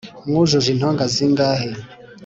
mwujuje intonga zingahe